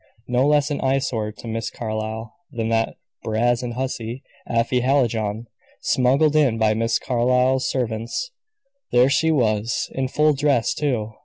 No less an eyesore to Miss Carlyle than that "brazen hussy," Afy Hallijohn! Smuggled in by Miss Carlyle's servants, there she was in full dress, too.